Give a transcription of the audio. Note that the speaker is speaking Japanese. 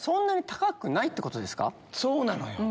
そうなのよ。